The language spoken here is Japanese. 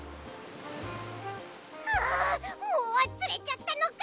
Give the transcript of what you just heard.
ああもうつれちゃったのか。